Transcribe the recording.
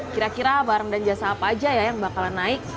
kira kira barang dan jasa apa aja ya yang bakalan naik